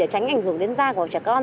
để tránh ảnh hưởng đến da của trẻ con